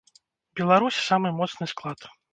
Беларусь самы моцны склад.